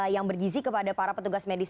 yang bergizi kepada para petugas medis